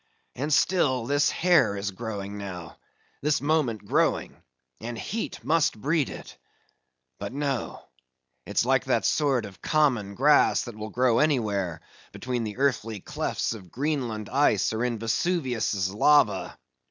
And still this hair is growing now; this moment growing, and heat must breed it; but no, it's like that sort of common grass that will grow anywhere, between the earthy clefts of Greenland ice or in Vesuvius lava.